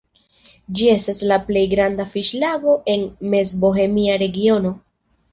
Ĝi estas la plej granda fiŝlago en Mezbohemia regiono.